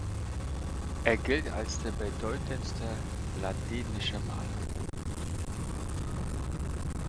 Er gilt als der bedeutendste ladinische Maler.